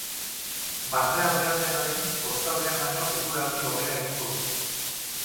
Barnealdean, dena den, kostaldean baino eguraldi hobea egingo du.